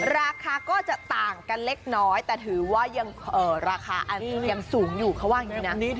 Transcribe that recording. ราคาก็จะต่างกันเล็กน้อยแต่ถือว่ายังราคายังสูงอยู่เขาว่าอย่างนี้นะ